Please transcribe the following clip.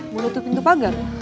mau tutup pintu pagar